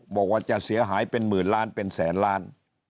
บอกว่าจะเสียหายเป็นหมื่นล้านเป็นแสนล้าน